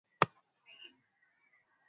Kuja nikupe pesa.